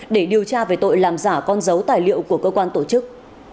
để điều tra về tội làm giả con dấu tài liệu của cơ quan tổ chức